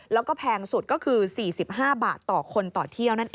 และแพงสุดก็คือ๔๕บาทต่อคนต่อเที่ยว